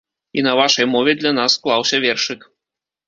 І на вашай мове для нас склаўся вершык.